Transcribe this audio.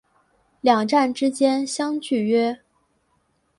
两站之间相距约。